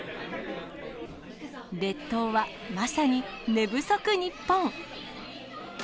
列島はまさに寝不足ニッポン。